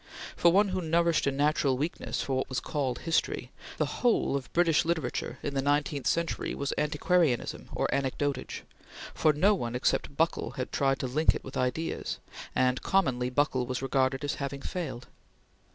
For one who nourished a natural weakness for what was called history, the whole of British literature in the nineteenth century was antiquarianism or anecdotage, for no one except Buckle had tried to link it with ideas, and commonly Buckle was regarded as having failed.